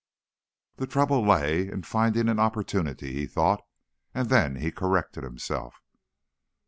The trouble lay in finding an opportunity, he thought—and then he corrected himself.